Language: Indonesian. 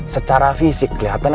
secara fisik kelihatan elsa